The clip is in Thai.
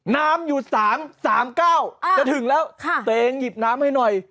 น้ำอยู่๓๙จะถึงแล้วตัวเองหยิบน้ำให้หน่อย